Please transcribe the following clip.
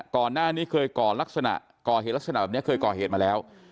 ก่อนหน้านี้เคยก่อลักษณะก่อเหตุลักษณะแบบนี้เคยก่อเหตุมาแล้ว